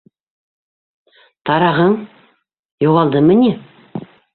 Тарағың... юғалдымы ни?